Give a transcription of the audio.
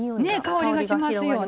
ね香りがしますよね。